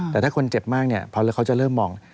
แต่ถ้าคนเจ็บมากเพราะเขาจะเริ่มมอง